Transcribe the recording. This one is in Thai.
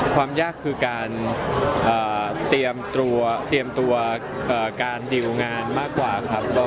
ความยากคือการเตรียมตัวการดิวงานมากกว่าครับ